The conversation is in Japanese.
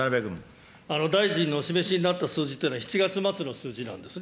大臣のお示しになった数字というのは、７月末の数字なんですね。